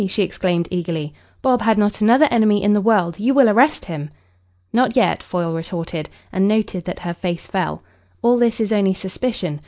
she exclaimed eagerly. "Bob had not another enemy in the world. You will arrest him." "Not yet," Foyle retorted, and noted that her face fell. "All this is only suspicion.